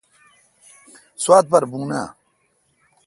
سوات پر بون آں؟